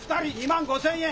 ２万５，０００円！